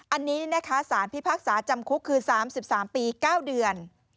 อันนี้นะคะสารพิพากษาจำคุกคือ๓๓ปี๙เดือน